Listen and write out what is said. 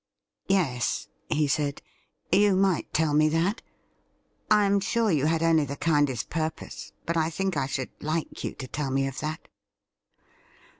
' Yes,' he said, ' you might tell me that. I am sure you had only the kindest purpose, but I think I should like you to tell me of that.'